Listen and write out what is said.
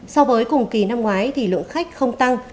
so với cùng kỳ năm ngoái thì lượng khách không tăng